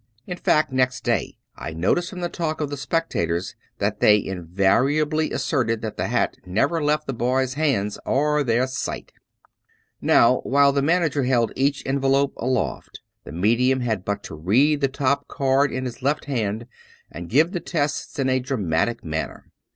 In fact, next day I noticed from the talk of the spectators, that they invariably asserted that the hat never left the boy's hands or their sight. Now, while the manager held each envelope aloft, the medium had but to read the top card in his left hand and give the tests in a dramatic manner.